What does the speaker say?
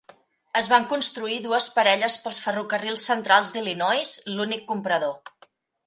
Es van construir dues parelles pels Ferrocarrils Centrals d'Illinois, l'únic comprador.